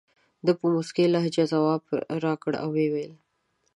ده په موسکۍ لهجه ځواب راکړ او وویل.